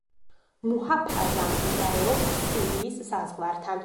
მუჰაფაზა მდებარეობს სირიის საზღვართან.